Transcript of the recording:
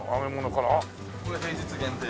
これ平日限定。